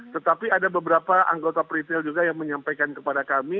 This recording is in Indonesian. tetapi ada beberapa anggota peritel juga yang menyampaikan kepada kami